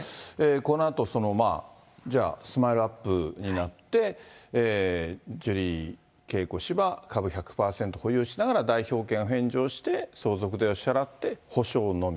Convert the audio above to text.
このあと、じゃあ、スマイルアップになって、ジュリー景子氏は株１００％保有しながら、代表権を返上して相続税を支払って補償のみ。